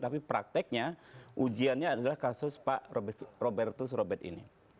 tapi prakteknya ujiannya adalah kasus pak robertus robert ini